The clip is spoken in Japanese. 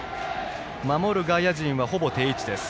守る外野陣は、ほぼ定位置です。